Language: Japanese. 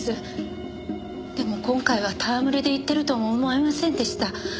でも今回は戯れで言ってるとも思えませんでした。